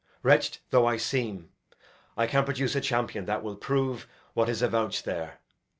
Wretched though I seem, I can produce a champion that will prove What is avouched there.